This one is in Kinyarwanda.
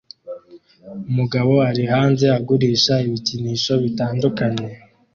Umugabo ari hanze agurisha ibikinisho bitandukanye